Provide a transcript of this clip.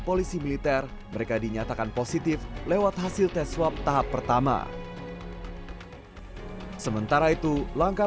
polisi militer mereka dinyatakan positif lewat hasil tes swab tahap pertama sementara itu langkah